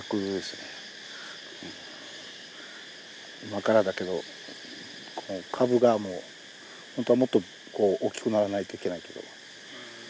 今からだけど株がもうホントはもっとおっきくならないといけないけど。